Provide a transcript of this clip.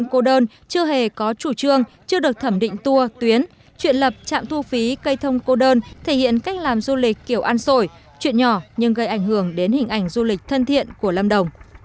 ngoài chiếc xe chuyên trở chưa được kiểm định vào vị trí cây thông cô đơn trong phạm vi quản lý của vườn quốc gia bidop núi ba